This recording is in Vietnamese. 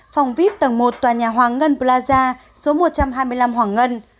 phòng vip tầng một tòa nhà hoàng ngân b plaza số một trăm hai mươi năm hoàng ngân